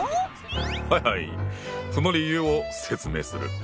はいはいその理由を説明する！